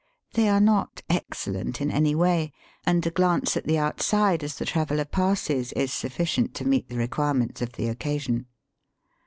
They are not excellent in any way, and a glance at thp outside as the traveller passes is sufficient to meet the requirements of the occasion.